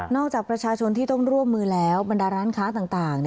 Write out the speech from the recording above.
จากประชาชนที่ต้องร่วมมือแล้วบรรดาร้านค้าต่าง